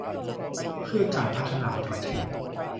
เพื่อการพัฒนาประเทศ